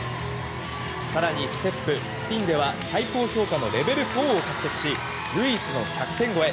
更にステップ、スピンでは最高評価のレベル４を獲得し唯一の１００点超え。